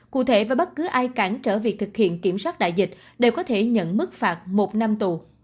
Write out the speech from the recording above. cụ thể và bất cứ ai cản trở việc thực hiện kiểm soát đại dịch đều có thể nhận mức phạt một năm tù